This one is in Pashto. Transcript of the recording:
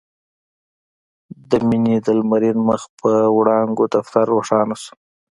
د مينې د لمرين مخ په وړانګو دفتر روښانه شو.